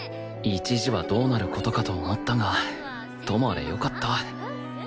一時はどうなる事かと思ったがともあれよかった